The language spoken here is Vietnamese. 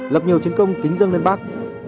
lập nhiều chiến công kính dân lên bác